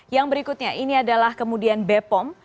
yang berikutnya ini adalah kemudian bepom